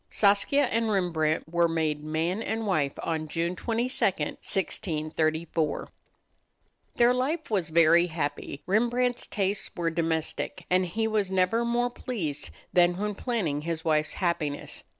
Saskia and Rembrandt were made man and wife on June 22, 1634. Their life together was very happy. Rembrandt's tastes were domestic, and he was never more pleased than when planning his wife's happiness.